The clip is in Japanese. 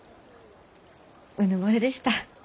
うぬぼれでした。